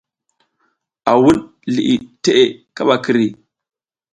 A wuɗ liʼi teʼe kaɓa kiri.